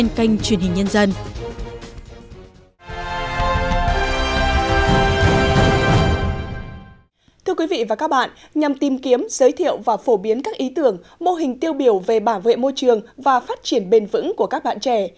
nhằm tìm kiếm giới thiệu và phổ biến các ý tưởng mô hình tiêu biểu về bảo vệ môi trường và phát triển bền vững của các bạn trẻ